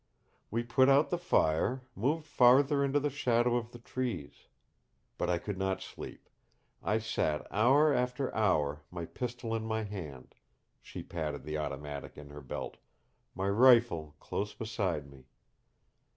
"We put out the fire, moved farther into the shadow of the trees. But I could not sleep I sat hour after hour, my pistol in my hand," she patted the automatic in her belt, "my rifle close beside me.